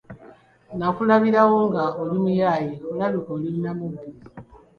Nakulabirawo nga oli muyaaye olabika oli namubbi.